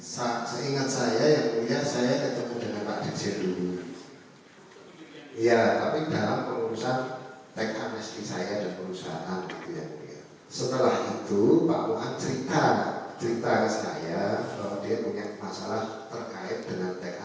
saat seingat saya ya mulia saya tetap dengan pak jensir dulu